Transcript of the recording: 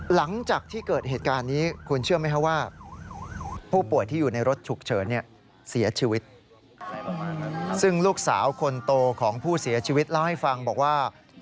หลังจากที่เกิดเหตุการณ์นี้คุณเชื่อไหมครับว่า